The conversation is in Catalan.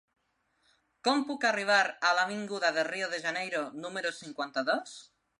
Com puc arribar a l'avinguda de Rio de Janeiro número cinquanta-dos?